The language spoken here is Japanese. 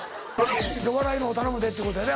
お笑いのほう頼むでってことやで。